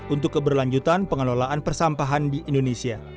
untuk keberlanjutan pengelolaan persampahan di indonesia